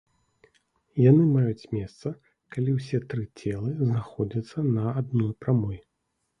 Яны маюць месца, калі ўсе тры целы знаходзяцца на адной прамой.